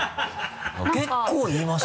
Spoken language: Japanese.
結構言いますね。